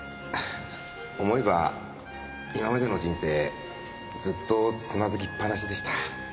思えば今までの人生ずっとつまずきっぱなしでした。